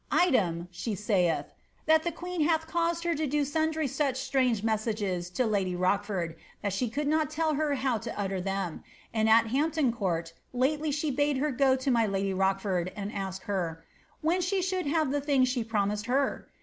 ^ Item,' she saith, ^ that the queen hath caused her to do sundry such strange messages to lady Rochford, that the could not tell her how to utter them; and at Hampton Court lately •he bade her go to my lady Rochford and ask her * when she should ha?e the thing she promised her